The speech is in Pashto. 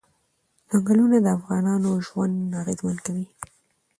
ځنګلونه د افغانانو ژوند اغېزمن کوي.